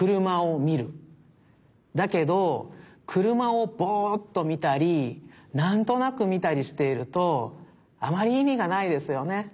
だけどくるまをボっとみたりなんとなくみたりしているとあまりいみがないですよね。